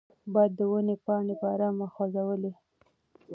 باد د ونې پاڼې په ارامه خوځولې.